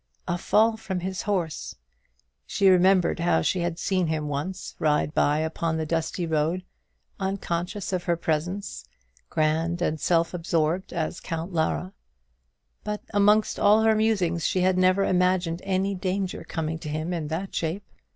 A fall from his horse! She remembered how she had seen him once ride by upon the dusty road, unconscious of her presence, grand and self absorbed as Count Lara; but amongst all her musings she had never imagined any danger coming to him in that shape.